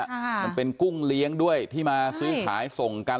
มันเป็นกุ้งเลี้ยงด้วยที่มาซื้อขายส่งกัน